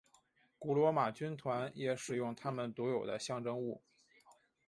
古罗马军团也使用他们独有的象征物。